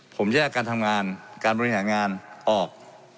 ผมแยกการทำงานการบริหารงานออก